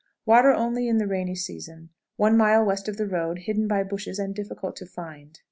Water only in the rainy season, one mile west of the road, hidden by bushes and difficult to find.